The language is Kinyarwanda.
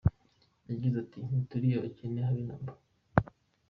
Yagize ati “Ntituri abakene, habe na mba.